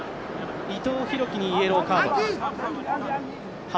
伊藤洋輝にイエローカード。